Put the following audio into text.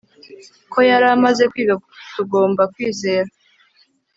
Ko yari amaze kwiga tugomba kwizera